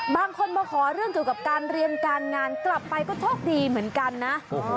บางคนมาขอเรื่องเกี่ยวกับการเรียนการงานกลับไปก็โชคดีเหมือนกันนะ